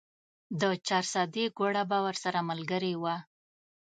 د چارسدې ګوړه به ورسره ملګرې وه.